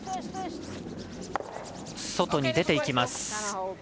外に出ていきます。